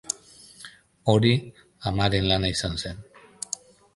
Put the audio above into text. Hori amaren lana izan zen.